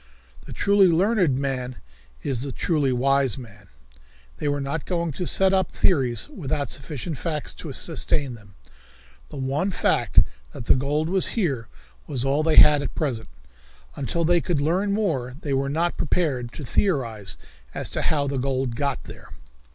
The truly learned man is the truly wise man. They were not going to set up theories without sufficient facts to sustain them. The one fact that the gold was here was all they had at present. Until they could learn more they were not prepared to theorize as to how the gold got there.